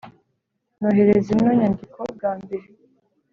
nohereza ino nyandiko bwa mbere,